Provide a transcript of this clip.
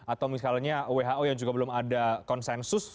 atau misalnya who yang juga belum ada konsensus